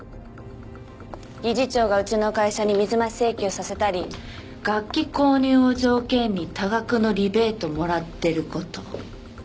理事長がうちの会社に水増し請求させたり楽器購入を条件に多額のリベートもらってる事。